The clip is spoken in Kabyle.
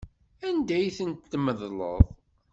Anda ay tent-tmeḍleḍ?